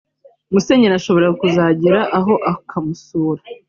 “Musenyeri ashobora kuzagera aho akamusura